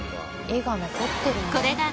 絵が残ってるんだ。